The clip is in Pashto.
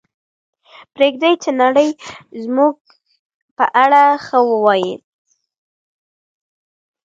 پرېږدئ چې نړۍ زموږ په اړه ښه ووایي.